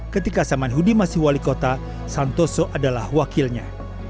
ketika saman hudi masih wali kota santoso adalah wakilnya